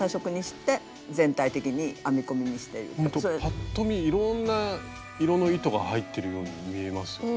パッと見いろんな色の糸が入ってるように見えますよね。